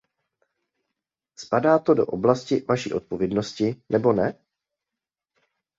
Spadá to do oblasti vaší odpovědnosti, nebo ne?